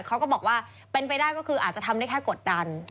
เขาก็บอกว่าเป็นไปได้ก็คืออาจจะทำได้แค่กดดัน